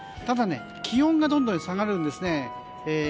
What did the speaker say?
ただ、気温がどんどん下がるんですね。